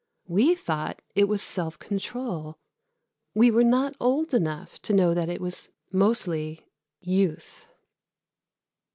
We thought it was self control. We were not old enough to know it was mostly "youth."